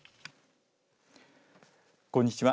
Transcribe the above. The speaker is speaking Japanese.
こんにちは。